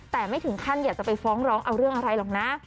แต่ไม่ถึงขั้นอยากจะไปฟ้องร้องเอาเรื่องอะไรหรอกนะ